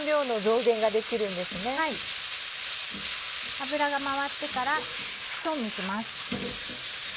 油がまわってから調味します。